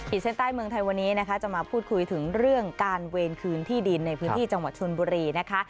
เส้นใต้เมืองไทยวันนี้นะคะจะมาพูดคุยถึงเรื่องการเวรคืนที่ดินในพื้นที่จังหวัดชนบุรีนะคะ